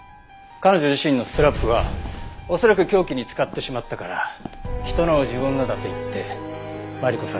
彼女自身のストラップは恐らく凶器に使ってしまったから人のを自分のだと言ってマリコさんに渡したんだ。